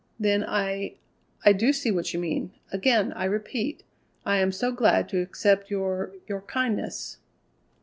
Then, "I I do see what you mean. Again I repeat, I am so glad to accept your your kindness."